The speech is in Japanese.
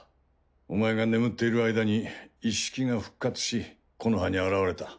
お前が眠っている間にイッシキが復活し木ノ葉に現れた。